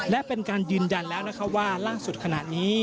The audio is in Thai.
และเป็นการยืนยันแล้วว่าล่างสุดขนาดนี้